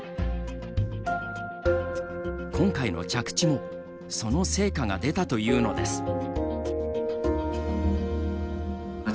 今回の着地もその成果が出たというのです。